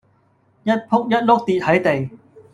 一僕一碌跌係地